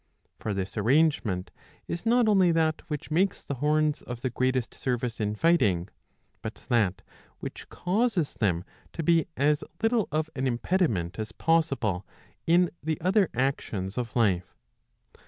For this arrangement is not only that which makes the horns of the greatest service in fighting, but that which causes them to be as little of an impediment as possible in the other actions of life.